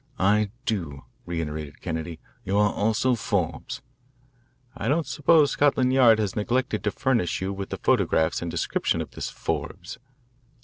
"I do," reiterated Kennedy. "You are also Forbes." "I don't suppose Scotland Yard has neglected to furnish you with photographs and a description of this Forbes?"